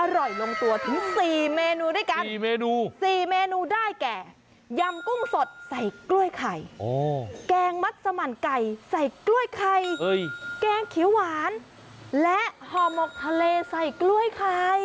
อร่อยลงตัวทั้งสี่เมนูด้วยกันสี่เมนูได้แก่ยำกุ้งสดใส่กล้วยไข่แกงมัสมันไก่ใส่กล้วยไข่แกงขิวหวานและฮอมมกทะเลใส่กล้วยไข่